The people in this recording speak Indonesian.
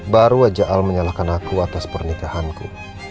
baru aja al menyalahkan aku atas pernikahanku